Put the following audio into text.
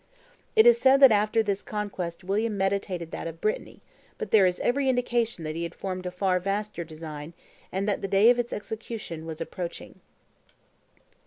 It is said that after this conquest William meditated that of Brittany; but there is every indication that he had formed a far vaster design, and that the day of its execution was approaching.